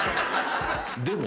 でも。